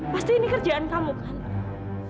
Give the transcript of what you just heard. pasti ini kerjaan kamu kan pak